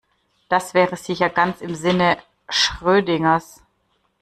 Das wäre sicher ganz im Sinne Schrödingers.